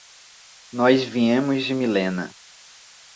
Nós viemos de Millena.